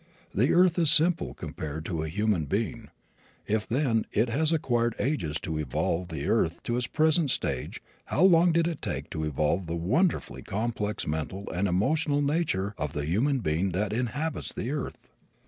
The earth is simple compared to a human being. If, then, it has required ages to evolve the earth to its present stage how long did it take to evolve the wonderfully complex mental and emotional nature of the human being that inhabits the earth?